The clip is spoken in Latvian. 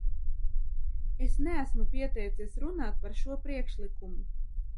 Es neesmu pieteicies runāt par šo priekšlikumu.